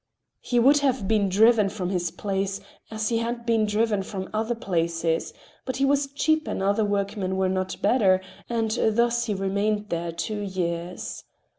He would have been driven from this place, as he had been driven from other places, but he was cheap and other workmen were not better, and thus he remained there two years.